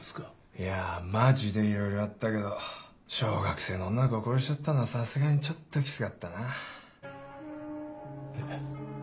いやマジでいろいろあったけど小学生の女の子を殺しちゃったのはさすがにちょっとキツかったなえっ